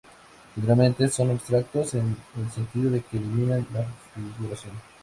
Generalmente son abstractos en el sentido de que eliminan la figuración.